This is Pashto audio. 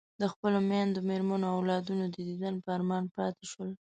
د خپلو میندو، مېرمنو او اولادونو د دیدن په ارمان پاتې شول.